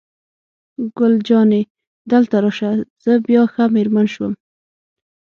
ګل جانې: دلته راشه، زه بیا ښه مېرمن شوم.